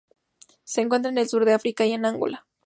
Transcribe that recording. Se encuentra en el sur de África y en Angola.